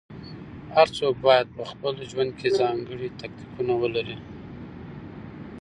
هر څوک بايد په خپل ژوند کې ځانګړي تاکتيکونه ولري.